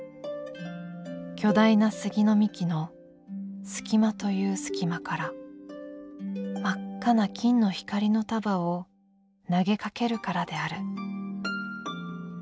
巨大な杉の幹の隙間という隙間から真っ赤な金の光の束を投げかけるからである」。